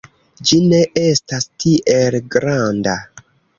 Ĝi ne estas tiel granda.